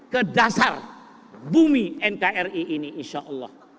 ke dasar bumi nkri ini insya allah